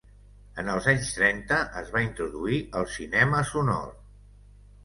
En els anys trenta es va introduir el cinema sonor.